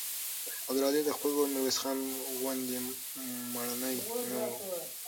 عبدالعزیز د خپل ورور میرویس خان غوندې مړنی نه و.